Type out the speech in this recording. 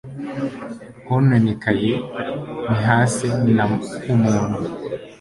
hononekaye ntihase na humuntu